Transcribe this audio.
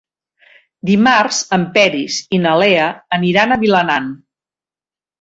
Dimarts en Peris i na Lea aniran a Vilanant.